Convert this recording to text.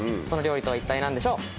その料理とは一体何でしょう？